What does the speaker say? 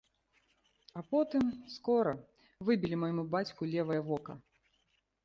А потым, скора, выбілі майму бацьку левае вока.